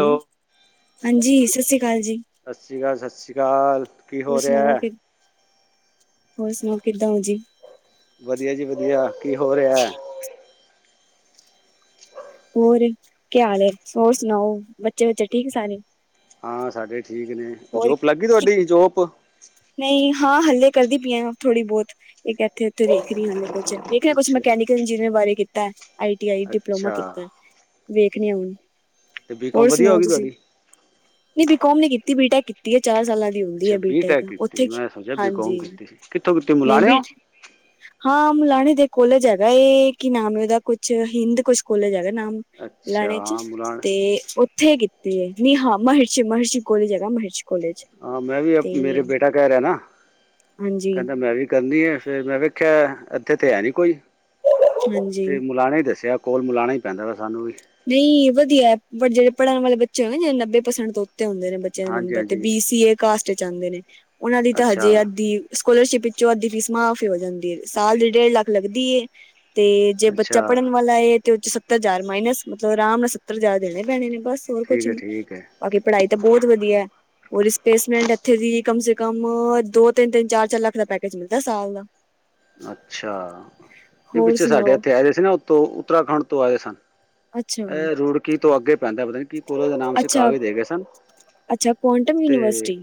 Hello ਹਾਂਜੀ ਸਤਿ ਸ੍ਰੀ ਅਕਾਲ ਜੀ। ਸਤਿ ਸ਼੍ਰੀ ਅਕਾਲ ਸਤਿ ਸ਼੍ਰੀ ਅਕਾਲ ਕੀ ਹੋਰ ਹੋ ਸੁਣਾਓ ਰਿਹਾ। ਕਿ ਹੋਰ ਸੁਣਾਓ ਕਿੱਦਾਂ ਹੋ ਜੀ? ਵਧੀਆ ਜੀ ਵਧੀਆ ਕੀ ਹੋ ਰਿਹਾ ਹੈ। ਹੋਰ ਕੀ ਹਾਲ ਹੋਰ ਸੁਣਾਓ ਬੱਚੇ ਬੱਚੇ ਠੀਕ ਸਾਰੇ ਹਾਂ ਸਾਡੇ ਠੀਕ ਨੇ ਹੋਰ ਜੋਪ ਲੱਗੀ ਤੁਹਾਡੀ ਜੋਪ ਨਹੀਂ ਹਾਂ ਹਲੇ ਕਰਦੀ ਪਈਆਂ ਥੋੜ੍ਹੀ ਬਹੁਤ ਇਹ ਕੱਥੇ ਉੱਥੇ ਦੇੇਖ ਰ ਹਾਲੇ ਕੁਛ ਵੇਖਿਆ ਕੁਛ ਅੱਛਾ ਮਕੈਨੀਕਲ ਇੰਜੀਨੀਅਰਿੰਗ ਬਾਰੇ ਕੀਤਾ ਆਈ ਟੀ ਆਈ ਡਿਪਲੋਮਾ ਅੱਛਾ ਕੀਤਾ। ਵੇਖ ਨ ਆਣ ਤੇ ਬੀਕੋਮ ਹੋਰ ਵਧੀਆ ਹੋ ਸੁਣਾਓ ਗਈ ਤੁਸੀਂ। ਤੁਹਾਡੀ ਨਹੀਂ ਬੀਕੋਮ ਨੇ ਕੀਤੀ ਬੀਟੈਕ ਕੀਤੀ ਹੈ ਚਾਰ ਸਾਲਾਂ ਦੀ ਹੁੰਦੀ ਹੈ ਬੀਟੈਕ। ਤੇ ਉੱਥੇ ਮੈਂ ਸੋਚਿਆ ਬੀਕੌਮ ਹਾਂਜੀ ਕੀਤੀ ਸੀ ਕਿੱਥੋਂ ਕਿਤੇ ਨਹੀਂ ਬੀ ਮਲਾਣੇਓ ਹਾਂ ਮੁਲਾਣੇ ਦੇ ਕੋਲਜ ਹੈਗਾ ਇਹ ਕੀ ਨਾਮ ਉਹਦਾ ਕੁਛ ਹਿੰਦ ਕੁਛ ਕੋਲਜ ਹੈਗਾ ਨਾਮ। ਅੱਛਾ ਲਾਣੇ ਚ ਹਾਂ ਮੁਲਾਣੇ ਤੇ ੱਥੇ ਕੀਤੀ ਹੈ। ਨੀ ਹਾਂ ਮਹਿਰਸ਼ੀ ਮਹਰਸ਼ੀ ਕੋਲੀ ਜਗ੍ਹਾ ਮਹਰਸ਼ੀ। ਹਾਂ ਮੈਂ ਵੀ ਮੇਰੇ ਬੇਟਾ ਕਹਿ ਰਿਹਾ ਨਾ ਹਾਂਜੀ ਕਹਿੰਦਾ ਮੈਂ ਵੀ। ਕਰਨੀ ਹੈ ਫੇਰ ਮੈਂ ਵੇਖਿਆ ਇੱਥੇ ਤੇ ਹੈ ਨੀ ਕੋਈ ਹਾਂਜੀ ਤੇ ਮੁਲਾਾਨੇ ਹੀ ਦੱਸਿਆ। ਕੋਲ ਮਲਾਣਾ ਹੀ ਪੈਂਦਾ ਵਾ ਸਾਨੂੰ ਵੀ। ਨਹੀਂ ਵਧੀਆ ਪਰ ਜਿਹੜੇ ਪੜ੍ਹਨ ਵਾਲੇ ਬੱਚੇ ਹੋਏ ਨੱਬੇ ਪ੍ਰਸੈਂਟ ਉੱਤੇ ਹੁੰਦੇ ਨੇ ਬੱਚ ਬ ਹਾਂਜੀ ਨੰਬਰ ਤੇ ਹਾਂਜੀ ਬੀ ਸੀ ਏ ਕਾਸਟ ਚ ਆਉਂਦੇ ਨੇ ਉਹਨਾ ਲਈ ਤਾਂ ਅੱਛਾ ਹਜੇ ਅ ਦੀ ਸਕੋਲਰਸ਼ਿਪ ਵਿੱਚੋਂ ਅੱਧ ਦੀ ਫੀਸ ਮਾਫ਼ੀ ਹੋ ਜਾਂਦੀ ਹੈ। ਸਾਲ ਦੀ ਡੇਢ ਲੱਖ ਲੱਗਦੀ ਏ। ਤੇ ਜੇ ਬੱਚਾ ਅੱਛਾ ਪੜ੍ਹਨ ਵਾਲਾ ਤੇ ਉਹਦੇ ਚ ਸੱਤਰ ਹਜ਼ਾਰ ਮਾਇਨਸ ਮਤਲਬ ਆਰਾਮ ਨਾਲ ਸੱਤਰ ਹਜ਼ਾਰ ਦੇਣੇ ਪੈਣੇ ਨੇ ਬਸ। ਹੋਰ ਠੀਕ ਕੁਛ ਹੈ ਨੀ, ਠੀਕ ਹੈ ਅੱਗੇ ਪੜ੍ਹਾਈ ਤਾਂ ਬਹੁਤ ਵਧੀਆ ਹੈ। ਉਹ ਰਿਸਪਲੇਸਮੈਂਟ ਇੱਥੇ ਦੀ ਕਮ ਸੇ ਕਮ ਦੋ ਤਿੰਨ ਤਿੰਨ ਚਾਰ ਚਾਰ ਲੱਖ ਦਾ ਪੈਕੇਜ ਮਿਲਦਾ ਸਾਲ ਦਾ। ਅੱਛਾ ਨਹੀਂ ਹੋਰ ਪਿੱਛੇ ਸਾਡੇ ਸੁਣਾਓ ਇੱਥੇ ਆਏ ਸੀ ਨਾ ਉਤੋਂ ਉੱਤਰਾਖੰਡ ਤੋਂ ਆਏ ਸਨ। ਅੱਛਾ ਅਹ ਰੁੜਕੀ ਤੋਂ ਅੱਗੇ ਪੈਂਦਾ ਪਤਾ ਨੀ। ਕਿ ਕੋਲੇ ਦੇ ਨਾਮ ਸੀ ਅੱਛਾ ਕਾਵਿ ਦੇ ਗਏ ਸਨ ਅੱਛਾ ਕੁਆਂਟਮ ਤੇ। ਯੂਨੀਵਰਸਿਟੀ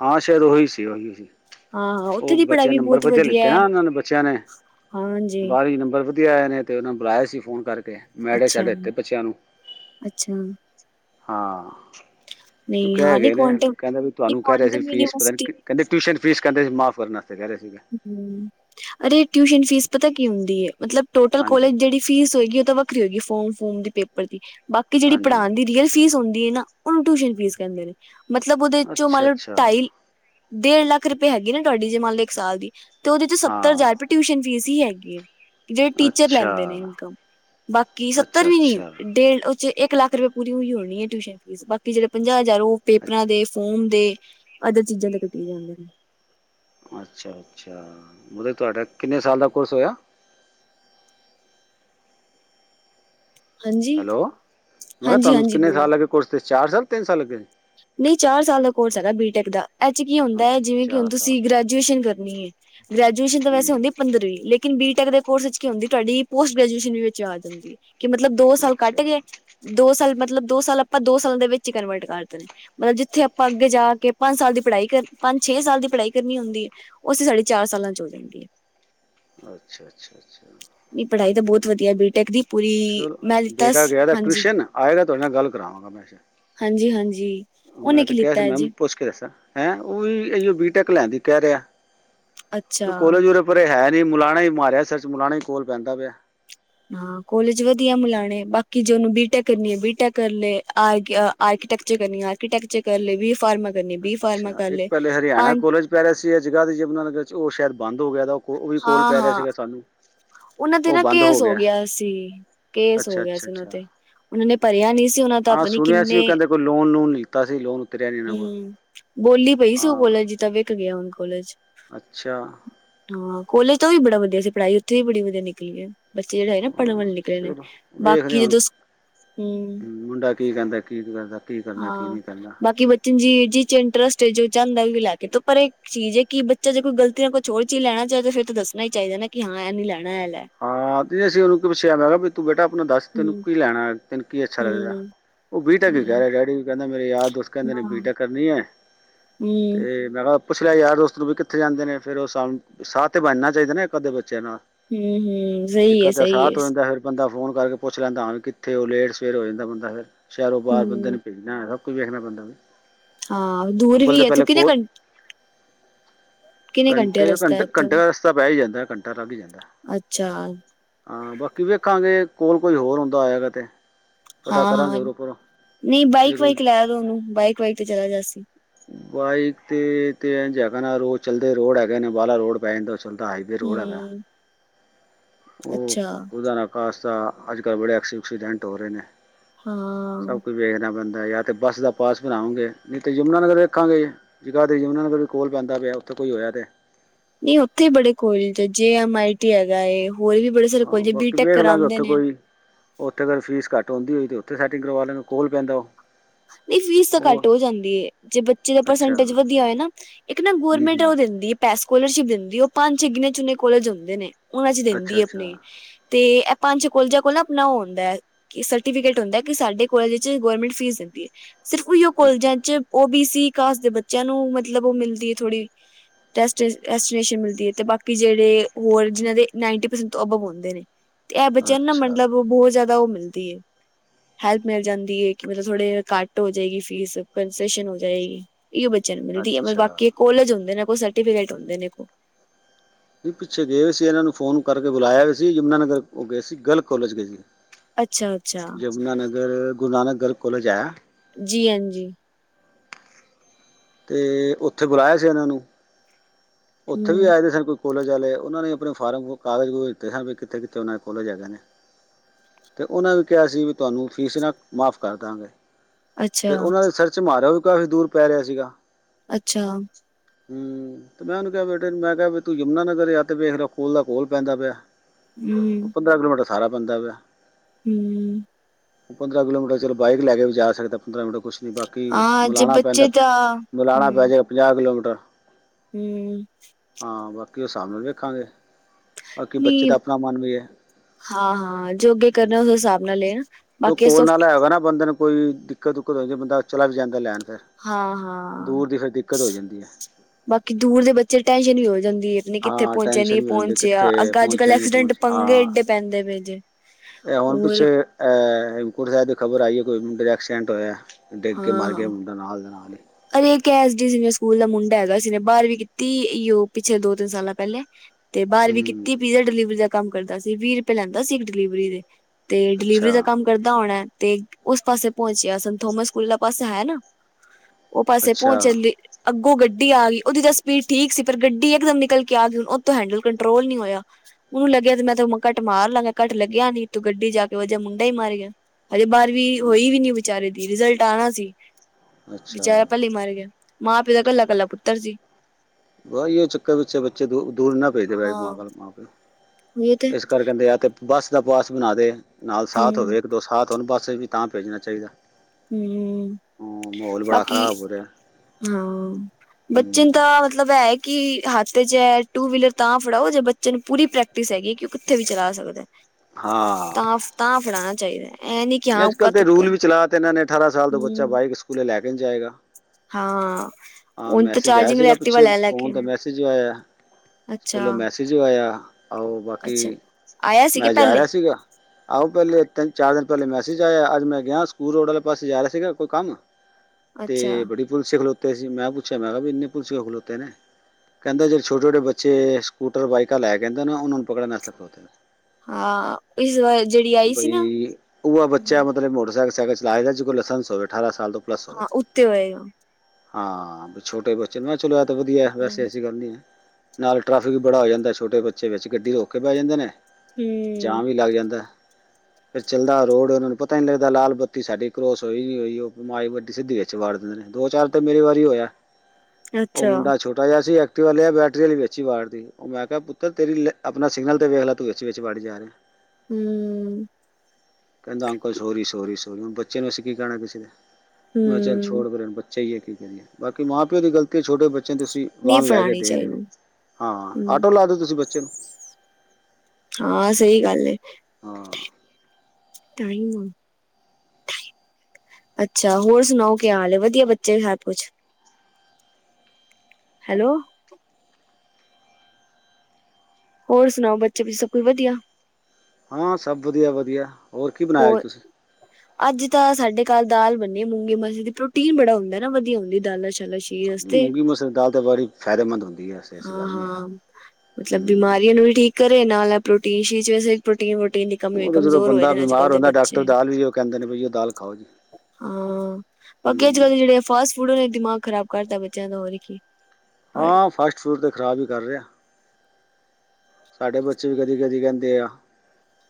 ਹਾਂ ਸ਼ਾਇਦ ਉਹੀ ਸੀ, ਉਹੀ ਸੀ। ਹਾਂ ਹਾਂ ਉੱਥੇ ਉਹ ਦੀ ਪੜ੍ਹਾਈ ਬੱਚਿਆਂ ਵੀ ਨੰਬਰ ਬਹੁਤ ਵਧੀਆ ਲਿੱਤੇ ਹੈ ਨਾ, ਉਹਨਾਂ ਨੇ ਬੱਚਿਆਂ ਨੇ, ਹਾਂਜੀ ਬਾਹਰਵੀ ਚ ਨੰਬਰ ਵਧੀਆ। ਦੇ ਆਏ ਨੇ ਤੇ, ਉਹਨਾਂ ਨੂੰ ਬੁਲਾਇਆ ਸੀ ਫੋਨ ਕਰਕੇ। ਮੈਡਲ ਅੱਛਾ ਸ਼ੈਡਲ ਦਿੱਤੇ ਬੱਚਿਆਂ ਨੂੰ ਅੱਛਾ। ਹਾਂ, ਤੇ ਨਹੀਂ ਹਾਂ ਕਹਿ ਨਹੀਂ ਰਹੇ ਨੇ ਕੁਆਂਟਮ ਕਹਿੰਦਾ ਵੀ ਨਹੀਂ ਤੁਹਾਨੂੰ ਕਹਿ ਰਿਹਾ ਸੀ ਕੁਆਂਟਮ ਫੀਸ ਪਤਾ ਯੂਨੀਵਰਸਿਟੀ ਨਹੀਂ। ਕਹਿੰਦੇ ਟਿਊਸ਼ਨ ਫੀਸ ਕਹਿੰਦੇ ਸੀ ਮਾਫ਼ ਕਰਨ ਵਾਸਤੇ ਕਹਿ ਰਹੇ ਸੀਗੇ। ਹਮ, ਅਰੇ ਟਿਊਸ਼ਨ ਫੀਸ ਪਤਾ ਕੀ ਹੁੰਦੀ ਐ। ਮਤਲਬ ਟੋਟਲ ਹਾਂਜੀ ਕੋਲੇਜ ਜਿਹੜੀ ਫੀਸ ਹੋਏਗੀ ਉਹ ਤਾਂ ਵੱਖਰੀ ਹੋਏਗੀ ਫੋਮ ਫੂਮ ਦੀ ਪੇਪਰ ਦੀ ਬਾਕੀ ਜਿਹੜੀ ਹਾਂਜੀ ਪੜ੍ਹਾਉਣ ਦੀ ਫੀਸ। ਰੀਅਲ ਫੀਸ ਹੁੰਦੀ ਹੈ ਨਾ, ਉਹਨੂੰ ਟਿਊਸ਼ਨ ਫੀਸ ਕਹਿੰਦੇ ਨੇ। ਮਤਲਬ ਉਹਦੇ ਚੋਂ ਮਨ ਅੱਛਾ ਲਓ ਅੱਛਾ ਢਾਈ ਡੇਢ ਲੱਖ ਰੁਪਏ ਹੈਗੀ ਨਾ ਤੁਹਾਡੀ ਜੇ ਮੰਨ ਲਓ ਇੱਕ ਸਾਲ ਦੀ ਤੇ ਉਹਦੇ ਚ ਸੱਤਰ ਹਾਂ ਹਜ਼ਾਰ ਰੁਪਏ। ਟਿਊਸ਼ਨ ਫੀਸ ਹੀ ਹੈਗੀ ਹੈ। ਜਿਹੜੇ ਟੀਚਰ ਅੱਛਾ ਲੈਂਦੇ ਨੇ ਇਨਕਮ ਬਾਕੀ ਸੱਤਰ ਅੱਛਾ ਵੀ ਅੱਛਾ ਨੀ ਡੇਢ। ਇਕ ਲੱਖ ਰੁਪਏ ਪੂਰੀ ਹੋਈ ਹੋਣੀ ਹੈ। ਟਿਊਸ਼ਨ ਫੀਸ ਬਾਕੀ ਜਿਹੜੇ ਪੰਜਾਹ ਹਜ਼ਾਰ ਉਹ ਪੇਪਰਾਂ ਦੇ ਫੋਮ ਦੇ। ਅਦਰ ਚੀਜ਼ਾਂ ਤੇ ਕਟੀ ਜਾਂਦੇ ਨੇ। ਅੱਛਾ, ਅੱਛਾ ਮਤਲਬ ਤੁਹਾਡਾ ਕਿੰਨੇ ਸਾਲ ਦਾ ਕੋਰਸ ਹੋਇਆ। ਹਾਂਜੀ ਹੈਲੋ, ਮੈਂ ਕਿਹਾ ਹਾਂਜੀ ਤੁਹਾਨੂੰ ਹਾਂਜੀ ਕਿੰਨੇ ਬੋਲੋ ਸਾਲ ਲੱਗੇ ਕੋਰਸ ਦੇ ਚਾਰ ਸਾਲ ਤਿੰਨ ਸਾਲ ਲੱਗੇ? ਨਹੀਂ ਚਾਰ ਸਾਲ ਦਾ ਕੋਰਸ ਹੈਗਾ ਬੀਟੈਕ ਦਾ ਇਹ ਚ ਕੀ ਹੁੰਦਾ ਹੈ ਅੱਛਾ ਜਿਵੇਂ ਕਿ ਹੁਣ ਚਾਰ ਸਾਲ ਤੁਸੀਂ ਗ੍ਰੈਜੂਏਸ਼ਨ ਕਰਨੀ ਹੈ। ਗ੍ਰੈਜੂਏਸ਼ਨ ਤਾਂ ਹੂੰ ਵੈਸੇ ਹੁੰਦੀ ਹੈ ਪੰਦਰਵੀਂ। ਲੇਕਿਨ ਬੀਟੈਕ ਦੇ ਕੋਰਸ ਵਿੱਚ ਕੀ ਹੁੰਦੀ ਤੁਹਾਡੀ ਪੋਸਟ ਗ੍ਰੈਜੂਏਸ਼ਨ ਵਿੱਚ ਆ ਜਾਂਦੀ ਹੈ ਕਿ ਮਤਲਬ ਦੋ ਸਾਲ ਅੱਛਾ ਕੱਟ ਗਏ। ਦੋ ਸਾਲ ਮਤਲਬ ਦੋ ਸਾਲ ਆਪਾਂ ਦੋ ਸਾਲਾਂ ਦੇ ਵਿੱਚ ਹੀ ਕਨਵਰਟ ਕਰ ਦਿੰਨੇ। ਮਤਲਬ ਜਿੱਥੇ ਆਪਾਂ ਅੱਗੇ ਜਾ ਕੇ ਪੰਜ ਸਾਲ ਦੀ ਪੜ੍ਹਾਈ ਕਰ ਪੰਜ ਛੇ ਸਾਲ ਦੀ ਪੜ੍ਹਾਈ ਕਰਨੀ ਹੁੰਦੀ ਹੈ। ਉਹ ਸੀ ਸਾਡੀੇ ਚਾਰ ਸਾਲਾਂ ਚ ਹੋ ਜਾਂਦੀ ਹੈ। ਅੱਛਾ, ਅੱਛਾ, ਅੱਛਾ। ਨਹੀਂ ਪੜ੍ਹਾਈ ਤਾਂ ਬਹੁਤ ਵਧੀਆ ਬੀਟੈਕ ਦੀ, ਪੂਰੀ ਚਲੋ ਮੈਲਟਸ ਬੇਟਾ ਗਿਆ ਤਾਂ ਹਾਂਜੀ। ਟਿਊਸ਼ਨ ਆਏਗਾ, ਤੁਹਾਡੇ ਨਾਲ ਗੱਲ ਕਰਾਵਾਂਗਾ ਮੈ। ਹਾਂਜੀ ਹਾਂਜੀ। ਮੈਂ ਉਹਨੇ ਕੀ ਤੇ ਕਿਹਾ ਲਿੱਤਾ ਸੀ, ਹੈ ਮੈਂ ਵੀ ਜੀ ਪੁੱਛ ਕੇ ਦੱਸਾਂ ਹੈਂ ਉਹ ਵੀ ਇਹ ਉਹ ਬੀਟੈਕ ਲੈਂਣ ਕਹਿ ਰਿਹਾਂ ਐ। ਕਿਉ ਅੱਛਾ ਕਾਲਜ ਉਰੇ ਪਰੇ ਹੈ ਨਹੀਂ ਮੁਲਾਣਾ ਹੀ ਮਾਰਿਆ ਸਰਚ ਮਲਾਣਾ ਹੀ ਕੋਲ ਪੈਂਦਾ ਪਿਆ ਹੈ। ਹਾਂ ਕੋਲੇਜ ਵਧੀਆ ਮੁਲਾਣੇ, ਬਾਕੀ ਜੇ ਉਹਨੂੰ ਬੀਟੈਕ ਕਰਨੀ ਆ ਬੀਟੈਕ ਕਰਲੇ ਆਈ ਟੀ ਆ। ਆਰਕੀਟੈਕਚਰ ਕਰਨੀ ਆਰਕੀਟੈਕਚਰ ਕਰ ਲਏ ਬੀ ਫਾਰਮ ਅੱਛਾ, ਇੱਕ ਪਹਿਲੇ ਹਰਿਆਣਾ ਕੋਲੇਜ। ਪਹਿਲੇ ਸੀ ਇਹ ਜਗਾਦਰੀ ਯਮੁਨਾਨਗਰ ਚੋ ਉਹ ਸ਼ਾਇਦ ਬੰਦ ਹੋ ਗਿਆ ਦਾ, ਔ ਓਹੀ ਕੋਲ ਹਾਂ ਪੈ ਰਿਹਾ ਹਾਂ ਸੀਗਾ ਸਾਨੂੰ। ਉਹਨਾਂ ਤੇ ਨਾ ਕੇਸ ਹੋ ਗਿਆ ਸੀ, ਕੇਸ ਹੋ ਅੱਛਾ, ਗਿਆ ਅੱਛਾ, ਸੀ ਉਹਨਾਂ ਅੱਛਾ। ਤੇ। ਉਹਨਾਂ ਨੇ ਭਰਿਆ ਨੀ ਸੀ ਉਹਨਾਂ ਤਾਂ ਹਾਂ ਪਤਾ ਨੀ ਸੁਣਿਆ ਸੀ ਕਿੰਨੇ ਉਹ ਕਹਿੰਦੇ ਕੋਈ ਲੋਨ ਲੂਨ ਲਿੱਤਾ ਸੀ ਲੋਨ ਉਤਰਿਆ ਨੀ ਇਹਨਾਂ ਕੋਲ ਹਮ ਬੋਲੀ ਪਈ ਸੀ ਉਹ ਹਾਂ ਕੋਲਜ ਦੀ ਤਾਂ ਵਿਕ ਗਿਆ ਹੁਣ ਕੋਲਜ। ਅੱਛਾ। ਹਾਂ, ਕੋਲੇਜ ਤਾਂ ਉਹ ਵੀ ਬੜਾ ਵਧੀਆ ਸੀ, ਪੜ੍ਹਾਈ ਉੱਥੇ ਵੀ ਬੜੀ ਵਧੀਆ ਨਿਕਲੀ ਹੈ। ਬੱਚੇ ਜਿਹੜੇ ਹੈਗੇ ਨਾ ਪੜ੍ਹਨ ਵਾਲੇ ਨਿਕਲੇ ਨੇ ਚਲੋ ਵੇਖਦੇ ਬਾਕੀ ਹੁਣ ਜਦੋਂ ਹਮ ਮੁੰਡਾ ਕੀ ਕਹਿੰਦਾ ਐ ਕੀ ਕਰਦਾ ਕੀ ਕਰਨਾ ਕੀ ਨਹੀਂ ਕਰਨਾ। ਚੀਜ਼ ਜਿਸ ਚੀਜ਼ ਚ ਇੰਟਰਸਟ ਹੈ, ਜੋ ਚਾਹੁੰਦਾ ਓਹੀ ਲੈ ਕੇ, ਤੋਂ ਪਰ ਇੱਕ ਚੀਜ਼ ਹੈ ਕਿ ਬੱਚਾ ਜੇ ਕੋਈ ਗਲਤ। ਤੇ ਕੁਝ ਹੋਰ ਚੀਜ਼ ਲੈਣਾ ਚਾਹੇ ਫਿਰ ਤਾਂ ਦੱਸਣਾ ਹੀ ਚਹੀਦਾ ਹੈ ਨਾ, ਕਿ ਹਾਂ ਇਹ ਨੀ ਲੈਣਾ ਇਹ ਲੈ। ਹਾਂ ਤੇ ਅਸੀਂ ਉਹਨੂੰ ਕੀ ਪੁੱਛਿਆ ਮੈਂ ਕਿਹਾ ਬਈ ਵੀ ਤੂੰ ਬੇਟਾ ਆਪਣਾ ਦੱਸ ਤੈਨੂੰ ਹਮ ਕੀ ਲੈਣਾ ਹੈ। ਤੈਨੂੰ ਕੀ ਅੱਛਾ ਲੱਗਦਾ ਹੈ ਹਮ ਓਹ ਬੀਟੈਕ ਕੀ ਕਹਿ ਹਮ ਰਿਹਾ, ਡੈਡੀ ਵੀ ਕਹਿੰਦਾ ਮੇਰੇ ਯਾਰ ਦੋਸਤ ਕਹਿੰਦੇ ਨੇ ਹਾਂ ਬੀਟੈਕ। ਕਰਨੀ ਹੈ, ਹਮ ਅਤੇ ਮੈਂ ਕਿਹਾ ਪੁੱਛ ਲਿਆ ਯਾਰ ਦੋਸਤ ਵੀ ਕਿੱਥੇ ਜਾਂਦੇ ਨੇ ਫਿਰ ਉਹ ਸ ਸਾਹ ਤੇ ਬਣਨਾ ਚਾਹੀਦਾ ਨੇ ਇੱਕ ਅਧੇ ਬੱਚਿਆਂ ਨਾਲ ਹਮ ਹਮ ਇੱਕ ਸਹੀਏ ਅੱਧਾ ਸਕੀਏ। ਸਾਥ ਹੋ ਜਾਂਦਾ ਫਿਰ ਬੰਦਾ ਫੋਨ ਕਰਕੇ ਪੁੱਛ ਲੈਂਦਾ ਹਾਂ, ਵੀ ਕਿੱਥੇ ਉਹ ਲੇਟ ਸਵੇਰੇ ਹੋ ਜਾਂਦਾ ਬੰਦਾ ਫਿਰ ਸ਼ਹਿਰੋਂ ਬਾਹਰ ਬੰਦੇ ਹਮ ਨੂੰ ਸਭ ਕੋਈ ਵੇਖਣਾ ਪੈਂਦਾ ਵੀ [unintelligible] ਹਾਂ ਦੂਰ ਅੱਬਲ ਵੀ ਤਾਂ ਪਹਿਲੇ ਇਥੋਂ ਕਿਹਨੇ ਕੋਲ ਘੰਟੇ ਘੰਟੇ ਦਾ ਰਸਤਾ ਘੰਟ ਹੈ ਇਥੋਂ ਘੰਟੇ ਦਾ ਰਸਤਾ ਪੈ ਹੀ ਜਾਂਦਾ ਘੰਟਾ ਲੱਗ ਜਾਂਦਾ ਅੱਛਾ। ਹਾਂ ਬਾਕੀ ਵੇਖਾਂਗੇ ਕੋਲ ਕੋਈ ਹੋਰ ਹੁੰਦਾ ਆਏਗਾ ਤੇ ਪਤਾ ਹਾਂ ਕਰਾਂਗੇ ਹਾਂ ਉਰੋ ਪਰੋ ਨਹੀਂ ਜੇ ਬਾਈਕ ਕੋਈ ਵਾਈਕ ਲੈ ਦਓ ਉਹਨੂੰ ਬਾਈਕ ਵਾਈਕ ਤੇ ਚਲਾ ਜਾਸੀ ਬਾਈਕ ਤੇ ਤੇ ਇੰਝ ਹੈਗਾ ਨਾ ਰੋਜ਼ ਚੱਲਦੇ ਰੋਡ ਹੈਗੇ ਨੇ ਬਾਹਲਾ ਰੋਡ ਪੈ ਜਾਂਦਾ ਸਤ ਹਾਈਵੇ ਰੋਡ ਹੈਗਾ ਹਮ ਉਹ ਅੱਛਾ ਖਦਾ ਨਾ ਖ਼ਾਸ਼ਤਾ ਅੱਜ ਕੱਲ੍ਹ ਬੜੇ ਐਕਸੀ ਐਕਸੀਡੈਂਟ ਹੋ ਰਹੇ ਨੇ ਹਾਂ ਸਭ ਕੁਝ ਵੇਖਣਾ ਪੈਂਦਾ ਯ ਤੇ ਬੱਸ ਦਾ ਪਾਸ ਬਣਾਵਾਂਗੇ ਨਹੀਂ ਤੇ ਯਮੁਨਾ ਨਗਰ ਵੇਖਾਂਗੇੇ। ਜਿਗਾਾ ਦੇ ਜ ਉਹਨਾਂ ਨੂੰ ਵੀ ਕੋਲ ਪੈਂਦਾ ਪਿਆ ਉੱਥੇ ਕੋਈ ਹੋਇਆ ਤਾਂ ਨਹੀਂ ਉੱਥੇ ਬੜੇ college J M I T ਹੈਗਾ ਹੋਰ ਵੀ ਬੜੇ ਸਾਰੇ ਹਾਂ ਕੋਲਜ ਬਾਕੀ ਬੀਟੈਕ ਵੇਖ ਲਾਂਗੇ ਕਰਾਉਂਦੇ ਉੱਥੇ ਨੇ ਕੋਈ ਉੱਥੇ ਅਗਰ ਫੀਸ ਘੱਟ ਹੁੰਦੀ ਹੋਈ ਤੇ ਉਥੇ ਸੈਟਿੰਗ ਕਰਵਾ ਲਣ ਕੋਲ ਪੈਂਦਾ ਉਹ। ਨਹੀਂ ਫੀਸ ਤਾਂ ਉਹ ਘੱਟ ਹੋ ਜਾਂਦੀ ਹੈ, ਜੇ ਬੱਚੇ ਦਾ ਅੱਛਾ ਪਰਸੈਂਟੇਜ ਹੂੰ ਵਧੀਆ ਹੋਵੇ ਨਾ ਇੱਕ ਨਾ ਗੌਰਰਮੈਂਟ ਹੂੰ ਉਹ ਦਿੰਦੀ ਹੈ ਪੈ ਸਕੋਲਰਸ਼ਿਪ ਦਿੰਦੀ ਉਹ ਪੰਜ ਛੇ ਗਿਨੇ ਚੁਨੇ ਕੋਾਲਜ ਹੁੰਦੇ ਨੇ ਉਹਨਾਂ ਚ ਅੱਛਾ ਦਿੰਦੀ ਅੱਛਾ ਆਪਣੇ ਤੇ ਇਹ ਪੰਜ ਕੋਲਜਾ ਕੋਲ ਨਾ ਅਪਣਾ ਓ ਹੁੰਦਾ ਹੈ ਕਿ ਸਰਟੀਫਿਕੇਟ ਹੁੰਦਾ ਕਿ ਸਾਡੇ ਕੋਲਜ ਚ ਗੌਰਮੈਂਟ ਫੀਸ ਦਿੰਦੀ ਹੈ, ਸਿਰਫ ਉਓ ਅ- ਕੋਲਜਾਂ ਚ ਉਹਓ ਬੀ ਸੀ ਕਾਸਟ ਦੇ ਬੱਚਿਆਂ ਨੂੰ ਮਤਲਬ ਉਹ ਮਿਲਦੀ ਹੈ ਥੋੜ੍ਹੀ [unintelligible] ਬਾਕੀ ਜਿਹੜੇ ਹੋਰ ਜਿ ਦੇ ਨਸਟ ਅ ਆਉਂਦੇ ਨੇ ਤੇ ਇਹ ਬੱਚਿਆਂ ਨੂੰ ਨਾ ਅੱਛਾ ਮਤਲਬ ਬਹੁਤ ਜਿਆਦਾ ਉਹ ਮਿਲਦੀ ਹੈ, ਹੈਲਪ ਮਿਲ ਜਾਂਦੀ ਹੈ। ਕਿ ਮਤਲਬ ਥੋੜੇ ਘੱਟ ਹੋ ਜਾਏਗੀ ਫੀਸ ਕੰਸੇਸ਼ਨ ਹੋ ਜਾਏਗੀ ਇਹੋ ਬੱਚਿਆਂ ਨੂੰ ਮਿਲਦੀ ਹੈ ਮਤਲਬ ਅੱਛਾ ਬਾਕੀ ਕੋਲੇਜ ਹੁੰਦੇ ਨੇ, ਦੇਖੋ ਸਰਟੀਫਿਕੇਟ ਹੁੰਦੇ ਨੇ ਦੇਖੋ ਨਹੀਂ ਪਿੱਛੇ ਗਏ ਵੀ ਸੀ ਇਹਨਾਂ ਨੂੰ ਫੋਨ ਕਰਕੇ ਬੁਲਾਇਆ ਵੀ ਸੀ ਯਮੁਨਾਨਗਰ ਉਹ ਗਏ ਸੀ ਗਰਲ ਕੋਲਜ ਗਏ ਸੀ ਅੱਛਾ ਅੱਛਾ ਯਮੁਨਾਾਨਗਰ ਗੁਰੂ ਨਾਨਕ ਗਰਗ ਕੋਲੇਜ ਐ ਜੀ ਹਾਂਜੀ। ਤੇ ਉੱਥੇ ਬੁਲਾਇਆ ਸੀ ਇਹਨਾਂ ਨੂੰ ਉੱਥੇ ਵੀ ਹਮ ਆਏ ਸਨ ਕੋਈ ਕੋਲਜ ਵਾਲੇ ਉਹਨਾਂ ਨੇ ਆਪਣੇ ਫਾਰਮ ਕਾਗਜ਼ੂਜ ਦਿੱਤੇ ਸਨ ਵੀ ਕਿੱਥੇ ਕਿੱਥੇ ਉਹਨਾਂ ਦੇ ਕੋਲੇਜ ਹੈਗੇ ਨੇ ਅਤੇ ਉਹਨਾਂ ਵੀ ਕਿਹਾ ਸੀ ਵੀ ਤੁਹਾਨੂੰ ਫੀਸ ਨਾ ਮਾਫ਼ ਕਰ ਦਵਾਂਗੇ ਫਿਰ ਅੱਛਾ ਉਹਨਾਂ ਨੇ ਸਰਚ ਮਾਰਿਆ ਵੀ ਕਾਫ਼ੀ ਦੂਰ ਪੈ ਰਿਹਾ ਸੀਗਾ। ਅੱਛਾ। ਹਮ। ਅਤੇ ਮੈਂ ਉਹਨੂੰ ਕਿਹਾ ਬੇਟੇ ਮੈਂ ਕਿਹਾ ਵੀ ਤੂੰ ਯਮੁਨਾ ਨਗਰ ਆ ਅਤੇ ਵੇਖ ਰ ਕੋਲ ਦਾ ਕੋਲ ਪੈਂਦਾ ਪਿਆ। ਉਹ ਹਮ। ਪੰਦਰਾਂ ਕਿਲੋਮੀਟਰ ਸਾਰਾ ਬਣਦਾ ਪਿਆ। ਹਮ। ਉਹ ਪੰਦਰਾਂ ਕਿਲੋਮੀਟਰ ਚਲੋ ਬਾਈਕ ਲੈ ਕੇ ਵੀ ਜਾ ਸਕਦਾ ਪੰਦਰਾਂ ਮੀਟਰ ਕੁਛ ਅਤੇ ਬਾਕੀ ਹਾਂ ਜੇ ਬੁਲਾਉਣਾ ਪੈਂਦਾ ਬੱਚੇ ਤਾਂ ਬੁਲਾਉਣਾ ਪੈ ਹਮ ਜਾਵੇ ਪੰਜਾਹ ਕਿਲੋਮੀਟਰ ਹਮ। ਹਾਂ ਬਾਕੀ ਓ ਹਿਸਾਬ ਨਾਲ ਵੀ ਵੇਖਾਂਗੇ ਬਾਕੀ ਬੱਚੇ ਦਾ ਨਹੀਂ ਆਪਣਾ ਮਨ ਵੀ ਹੈ। ਹਾਂ ਹਾਂ ਜੋ ਅੱਗੇ ਕਰਨਾ ਉਸ ਹਿਸਾਬ ਨਾਲ ਹੈ ਨਾ, ਉਹ ਬਾਕੀ ਕੋਲ ਨਾਲ ਸੋਫਟ ਹੈਗਾ ਨਾ ਬੰਦੇ ਨੂੰ ਕੋਈ ਦਿੱਕਤ ਉੱਕਤ ਹੋ ਜਾਂਦੀ ਬੰਦਾ ਚਲਾ ਵੀ ਜਾਂਦਾ ਲੈਣ ਫਿਰ ਹਾਂ ਹਾਂ ਦੂਰ ਦੀ ਫਿਰ ਦਿੱਕਤ ਹੋ ਜਾਂਦੀ ਹੈ ਬਾਕੀ ਦੂਰ ਦੇ ਬੱਚੇ ਟੈਨਸ਼ਨ ਵੀ ਹੋ ਜਾਂਦੀ ਹੈ ਕਿੱਥੇ ਹਾਂ ਪਹੁੰਚਿਆ ਟੈਨਸ਼ਨ ਨਹੀਂ ਵੀ ਹੋ ਜਾਂਦੀ ਪਹੁੰਚਿਆ ਅੱ ਕਿੱਥੇ ਅੱਜ ਕੱਲ੍ਹ ਪਹੁੰਚਿਆ ਨਹੀਂ ਐਕਸੀਡੈਂਟ ਪਹੁੰਚ ਪੰਗੇ ਹਾਂ ਈ ਤੇ ਪੈਂਦੇ ਪਏ ਜੇ ਇਹ ਹੁਣ ਹੋਰ ਤੁਸੀਂ ਅ ਹੇਮ ਕੁੰਟ ਸਾਹਿਬ ਦੀ ਖਬਰ ਆਈ ਏ ਕੋਈ ਮੁੰਡੇ ਦਾ ਐਕਸੀਡੈਂਟ ਹੋਇਆ, ਡਿੱਗ ਕੇ ਹਾਂ ਮਾਰ ਹਾਂ ਗਿਆ ਮੁੰਡਾ ਨਾਲ ਦੇ ਨਾਲ ਈ। ਅਰੇ ਇੱਕ ਐਸ ਡੀ ਸੀਨੀਅਰ ਸਕੂਲ ਦਾ ਮੁੰਡਾ ਹੈਗਾ ਸੀ ਉਸਨੇ ਬਾਰਵੀਂ ਕੀਤੀ ਏਈਓ ਪਿਛਲੇ ਦੋ-ਤਿੰਨ ਸਾਲਾਂ ਪਹਿਲੇ। ਤੇ ਬਾਰਵੀਂ ਹੂੰ ਕੀਤੀ ਪੀਜ਼ਾ ਡਿਲੀਵਰੀ ਦਾ ਕੰਮ ਕਰਦਾ ਸੀ, ਵੀਹ ਰੁਪਏ ਲੈਂਦਾ ਸੀ ਇੱਕ ਡਿਲੀਵਰੀ ਦੇ। ਤੇ ਡਿਲੀਵਰੀ ਅੱਛਾ ਦਾ ਕੰਮ ਕਰਦਾ ਹੋਣਾ ਤੇ ਓਸ ਪਾਸੇ ਪਹੁੰਚਿਆ ਸੰਤ ਥੋਮਸ ਸਕੂਲ ਦਾ ਪਾਸਾ ਹੈ ਨਾ। ਓ ਪਾਸੇ ਅੱਛਾ ਪਹੁੰਚਨ ਲੀ ਅੱਗੋਂ ਗੱਡੀ ਆ ਗੀ, ਓਦੀ ਤਾ ਸਪੀਡ ਠੀਕ ਸੀ ਪਰ ਗੱਡੀ ਇਕਦਮ ਨਿਕਲ ਕੇ ਆ ਗੀ, ਹੁਣ ਓ ਤੋਂ ਹੈਂਡਲ ਕੰਟਰੋਲ ਨੀ ਹੋਇਆ। ਓਨੂੰ ਲੱਗਿਆ ਤੇ ਮੈਂ ਤੇ ਹੁਨ ਕੱਟ ਮਾਰ ਲਾਂਗਾ, ਕੱਟ ਲੱਗਿਆ ਨੀ ਤੂੰ ਗੱਡੀ ਜਾ ਕੇ ਵਜਯਾ, ਮੁੰਡਾ ਹੀ ਮਾਰ ਗਿਆ। ਹਜੇ ਬਾਰਵੀਂ ਹੋਈ ਵੀ ਨਹੀਂ ਵਿਚਾਰੇ ਦੀ, ਰਿਜਲਟ ਆਣਾ ਸੀ। ਅੱਛਾ ਵਿਚਾਰਾ ਪਹਿਲਾਂ ਈ ਮਰ ਗਿਆ, ਮਾਂ-ਪਿਓ ਦਾ ਕੱਲਾ-ਕੱਲਾ ਪੁੱਤਰ ਸੀ। ਵਈ ਅਇਓ ਚੱਕਰ ਪਿੱਛੇ ਬੱਚੇ ਦੁ ਦੂਰ ਨੀ ਨਾ ਭੇਜਦੇ ਪਏ ਹਾਂ ਮਾਂ-ਬਾਪ, ਮਾਂ ਪਿਓ। ਉਹੀ ਤੇ ਇਸ ਕਰ ਕਹਿੰਦੇ ਯਾ ਤੇ ਬੱਸ ਦਾ ਪਾਸ ਬਨਾ ਦੇ ਨਾਲ ਸਾਥ ਹੂੰ ਹੋਵੇ ਇੱਕ ਦੋ ਸਾਥ ਤੁਹਾਨੂੰ ਬਸ ਵਿੱਚ ਵੀ ਤਾਂ ਭੇਜਨਾ ਚਾਈਦਾ। ਹੂੰ। ਬੜਾ ਬਾਕੀ ਖ਼ਰਾਬ ਹੋ ਰਿਹਾ ਹਾ, ਬੱਚੇ ਨੂੰ ਹੂੰ ਤਾਂ ਮਤਲਬ ਐ ਕੀ ਹੱਥ ਚ ਟੂ ਵੀਲਰ ਤਾਂ ਫੜਾਓ ਜੇ ਬੱਚੇ ਨੂੰ ਪੂਰੀ ਪ੍ਰੈਕਟਿਸ ਹੈਗੀ ਕਿ ਓ ਕਿੱਥੇ ਵੀ ਚਲਾ ਸਕਦਾ ਐ। ਹਾਂ, ਤਾਂ, ਤਾਂ ਫੜਾਣਾ ਚਾਈਦਾ ਐਂ ਤਾਂ ਨੀ ਕਿ ਨਈ ਹਾਂ ਉੱਕਾ ਅੱਜ-ਕੱਲ੍ਹ ਤੇ ਤੁੱਕਾ ਰੂਲ ਵੀ ਚਲਾਾ ਤੇ ਏਨਾਂ ਨੇ, ਅਠਾਰਾਂ ਸਾਲ ਤੋਂ ਬੱਚਾ ਹੂੰ ਬਾਈਕ ਸਕੂਲੇ ਲੈ ਕੇ ਨੀ ਜਾਏਗਾ। ਹਾਂ ਹਾਂ, ਹੁਨ ਤਾਂ ਮੈਸੇਜ ਆਇਆ ਚਾਰਜਿੰਗ ਸੀਗਾ ਐਕਟੀਿਵਾ ਪਿੱਛੇ ਲੈ-ਲੈ ਫੋਨ ਕੇ ਤੇ ਮੈਸੇਜ ਜੋ ਆਇਆ, ਅੱਛਾ ਸਕੂਲੋਂ ਮੈਸੇਜ ਜੋ ਆਇਆ। ਆਹੋ, ਅੱਛਾ ਬਾਕੀ ਆਇਆ ਸੀ ਕਿ ਮੈਂ ਜਾ ਪਹਿਲੇ ਰਿਹਾ ਸੀਗਾ। ਆਹੋ, ਪਹਿਲੇ ਤਿੰਨ-ਚਾਰ ਦਿਨ ਪਹਿਲੇ ਮੈਸੇਜ ਆਇਆ, ਅੱਜ ਮੈਂ ਗਿਆ ਸਕੂਲ ਰੋਡ ਵਾਲੇ ਪਾਸੇ, ਜਾ ਰਿਹਾ ਸੀਗਾ ਕੋਈ ਕੰਮ। ਅੱਛਾ ਤੇ ਬੜੀ ਪੁਲਸੀਏ ਖਲੋਤੇ ਸੀ, ਮੈਂ ਪੁੱਛਿਆ, ਮੈਂ ਕਿਹਾ ਵੀ ਇੰਨੇ ਪੁਲਸੀਏ ਕਿਉਂ ਖਲੋਤੇ ਨੇ? ਕਹਿੰਦੇ ਜੇੜੇ ਛੋਟੇ-ਛੋਟੇ ਬੱਚੇ ਸਕੂਟਰ, ਬਾਈਕਾਂ ਲੈ ਕੇ ਆਂਦੇ ਓਨਾਂ ਨੂੰ ਪਕੜਨ ਆਸਤੇ ਖਲੋਤੇ ਨੇ। ਹਾਂ, ਇਸ ਵਾਰ ਜੇੜੀ ਆਈ ਸੀ ਨਾ। ਓਵਾ ਬੱਚਾ ਮਤਲਬ ਮੋਟਰਸਾਈਕਲ, ਸਾਈਕਲ ਚਲਾਏਗਾ, ਜਿਦੇ ਕੋਲ ਲਸੰਸ ਹੋਵੇ ਅਠਾਰਾਂ ਸਾਲ ਤੋਂ ਪਲੱਸ ਹੋਵੇ। ਹਾਂ ਉੱਤੇ ਹੋਏਗਾ। ਹਾਂ ਵੀ ਛੋਟੇ ਬੱਚੇ ਨੇ, ਮੈਂ ਚਲੋ ਐ ਤਾਂ ਵਧੀਆ ਵੈਸੇ ਹਮ ਐਸੀ ਗੱਲ ਨੀ ਐ। ਨਾਲ ਟ੍ਰੈਫਿਕ ਬੜਾ ਹੋ ਜਾਂਦਾ, ਛੋਟੇ ਬੱਚੇ ਵਿੱਚ ਗੱਡੀ ਰੋਕ ਕੇ ਬਹਿ ਜਾਂਦੇ ਨੇ। ਜਾਮ ਵੀ ਲੱਗ ਜਾਂਦਾ। ਫੇਰ ਚੱਲਦਾ ਰੋਡ ਓਨਾਂ ਨੂੰ ਪਤਾ ਨੀ ਲੱਗਦਾ ਲਾਲ ਬੱਤੀ ਸਾਡੀ ਕਰੋਸ ਹੋਈ ਨੀ ਹੋਈ, ਉਹ [unintelligible] ਗੱਡੀ ਸਿੱਧੀ ਵਿੱਚ ਵਾੜ ਦਿੰਦੇ ਨੇ, ਦੋ-ਚਾਰ ਤੇ ਮੇਰੀ ਵਾਰੀ ਹੋਇਆ, ਓ ਅੱਛਾ ਮੁੰਡਾ ਛੋਟਾ ਜਿਹਾ ਸੀ ਐਕਟਿਵਾ ਲਿਆ ਬੈਟਰੀ ਵਾਲੀ ਵਿੱਚ ਈ ਵਾੜ ਤੀ। ਓ ਮੈਂ ਕਿਹਾ ਪੁੱਤਰ ਤੇਰੀ ਅਪਨਾ ਸਿਗਨਲ ਤੇ ਵੇਖ ਲੈ, ਤੂੰ ਵਿੱਚ-ਵਿੱਚ ਵਾੜੀ ਜਾ ਰਿਹਾ। ਹੂੰ। ਕਹਿੰਦਾ ਅੰਕਲ ਸੋਰੀ, ਸੋਰੀ, ਸੋਰੀ ਹੁਨ ਬੱਚੇ ਨੂੰ ਅਸੀਂ ਕੀ ਕਹਿਨਾ ਕਿਸੀ ਦੇ। ਮੈਂ ਚੱਲ ਹਮ ਛੋੜ ਪਰੇ, ਹੁਨ ਬੱਚਾ ਈ ਏ ਕੀ ਕਰੀਏ, ਬਾਕੀ ਮਾਂ ਪਿਓ ਦੀ ਗਲਤੀ ਕੇ ਛੋਟੇ ਬੱਚੇ ਤੁਸੀਂ ਨਹੀਂ ਵਾਹਨ ਲੈ ਕੇ ਫੜਾਉਣੀ ਦੇ ਰੇ ਓ, ਚਾਹੀਦੀ ਹਾਂ ਹਮ ਆਟੋ ਲੈ ਦੋ ਤੁਸੀਂ ਬੱਚੇ ਨੂੰ। ਹਾਂ ਸਈ ਗੱਲ ਏ। ਹਾਂ। ਟਾਈਮ ਆ। ਅੱਛਾ, ਹੋਰ ਸੁਨਾਓ ਕੇ ਹਾਲ ਏ, ਵਧੀਆ ਬੱਚੇ ਸਬ ਕੁਛ। ਹੈਲੋ। ਹੋਰ ਸੁਨਾਓ ਬੱਚੇ ਵੀ ਸਭ ਕੁਝ ਵਧੀਆ? ਹਾਂ ਸਭ ਵਧੀਆ-ਵਧੀਆ, ਹੋਰ ਕੀ ਬਨਇਆ ਅੱਜ ਹੋਰ ਤੁਸੀਂ? [inaudible] ਅੱਜ ਤਾਂ ਸਾਡੇ ਘਰ ਦਾਲ ਬਨੀ ਮੂੰਗੀ ਮਸਰੀ ਦੀ, ਪ੍ਰੋਟੀਨ ਬੜਾ ਹੁੰਦਾ ਨਾ, ਵਧੀਆ ਹੁੰਦੀ ਦਾਲਾਂ ਸ਼ਾਲਾਂ ਸ਼ਰੀਰ ਵਸਤੇ, ਮੂੰਗੀ ਮਸਰ ਦੀ ਦਾਲ ਤਾਂ ਬੜੀ ਫਾਇਦੇਮੰਦ ਹੁੰਦੀ ਹੈ ਐਸੀ ਐਸੀ ਗੱਲ ਨਹੀਂ ਹੈ ਹਾਂ-ਹਾਂ ਮਤਲਬ ਹੂੰ ਬਿਮਾਰੀਆਂ ਨੂੰ ਵੀ ਠੀਕ ਕਰੇ ਨਾਲ-ਨਾਲ, ਪ੍ਰੋਟੀਨ ਸ਼ੀ ਵੈਸੇ ਪ੍ਰੋਟੀਨ ਵਰਟੀਨ ਦੀ ਕਮੀ ਉਹ ਤਾਂ ਜਦੋਂ ਕਮਜ਼ੋਰ ਹੋਏ ਬੰਦਾ ਜਿਨ੍ਹਾਂ ਚ ਅੱਜ-ਕੱਲ ਬਿਮਾਰ ਦੇ ਹੁੰਦਾ ਬੱਚੇ, ਡਾਕਟਰ ਦਾਲ ਵੀ ਉਹ ਕਹਿੰਦੇ ਨੇ ਬਈ ਉਹ ਦਾਲ ਖਾਓ ਜੀ ਹਾਂ ਬਾਕੀ ਹੂੰ ਅੱਜ-ਕੱਲ ਦੇ ਜੇੜੇ ਫਾਸਟ ਫੂਡ ਨੇ ਦਿਮਾਗ ਖ਼ਰਾਬ ਕਰਤਾ ਬੱਚਿਆਂ ਦਾ ਹੋਰ ਕੀ। ਹਾਂ, ਫਾਸਟ ਫੂਡ ਤੇ ਖ਼ਰਾਬ ਈ ਕਰ ਰਿਹਾ। ਸਾਡੇ ਬੱਚੇ ਵੀ ਕਦੀ-ਕਦੀ ਕਹਿੰਦੇ ਆ,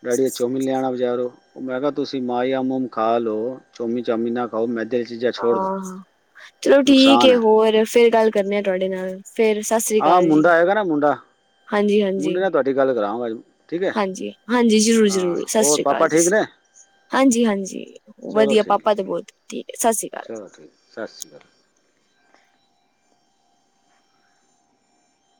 ਡੈਡੀ [unintelligible] ਵੀ ਲਿਆਣਾ ਬਜ਼ਾਰੋ। ਮੈਂ ਕਿਹਾ ਤੁਸੀਂ ਮਾਈਆ ਮਮ ਖਾ ਲ ਲੋ ਚਮੀ ਚਾਮੀ ਨਾ ਖਾਓ ਮੈਂਦੇ ਦੀਆਂ ਚੀਜਾਂ ਆਹ, ਚਲੋ ਠੀਕ ਹੈ ਹੋਰ ਫੇਰ ਗੱਲ ਕਰਨੀੇ ਆ ਤੁਹਾਡੇ ਨਾਲ। ਫੇਰ ਸਤਿ ਸ੍ਰੀ ਹਾਂ ਅਕਾਲ ਜੀ, ਮੁੰਡਾ ਆਏਗਾ ਨਾ ਮੁੰਡਾ ਹਾਂਜੀ-ਹਾਂਜੀ। ਮੁੰਡੇ ਨਾਲ ਤੁਹਾਡੀ ਗੱਲ ਕਰਾਂਵਾਂਗਾ ਜੀ। ਹਾਂਜੀ,, ਹਾਂਜੀ ਜ਼ਰੂਰ-ਜ਼ਰੂਰ ਸਤਿ ਹੋਰ ਸ਼੍ਰੀ ਅਕਾਲ ਪਾਪਾ ਜੀ। ਠੀਕ ਨੇ ਹਾਂਜੀ-ਹਾਂਜੀ, ਚਲੋ ਵਧੀਆ ਠੀਕ ਪਾਪਾ ਤੇ ਬਹੁਤ ਠੀਕ ਹੈ ਸਤਿ ਸ੍ਰੀ ਅਕਾਲ। ਚਲੋ ਠੀਕ ਸਤਿ ਸ਼੍ਰੀ ਅਕਾਲ।